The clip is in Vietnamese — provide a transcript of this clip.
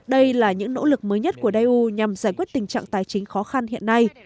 đây là những nỗ lực mới nhất của eu nhằm giải quyết tình trạng tài chính khó khăn hiện nay